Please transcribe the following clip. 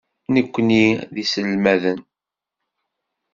Nekni d iselmaden.